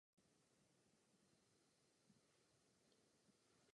Na ulici vyvolá paniku.